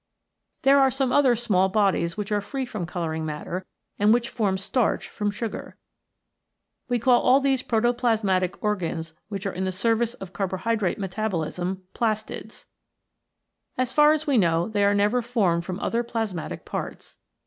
There are some other small bodies which are free from colouring matter, and which form starch from sugar. We call all these protoplasmatic organs which are in the service of carbohydrate metabolism, Plastids. As far as we know, they are never formed from other plasmatic parts.